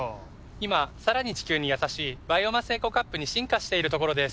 今さらに地球にやさしいバイオマスエコカップに進化しているところです。